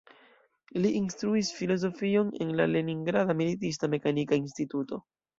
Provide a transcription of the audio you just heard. Li instruis filozofion en la Leningrada Militista Mekanika Instituto.